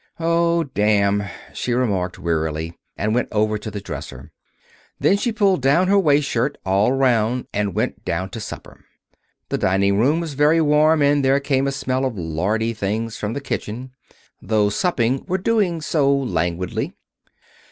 "Oh, damn!" she remarked, wearily, and went over to the dresser. Then she pulled down her shirtwaist all around and went down to supper. The dining room was very warm, and there came a smell of lardy things from the kitchen. Those supping were doing so languidly.